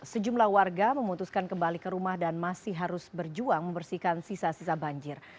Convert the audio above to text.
sejumlah warga memutuskan kembali ke rumah dan masih harus berjuang membersihkan sisa sisa banjir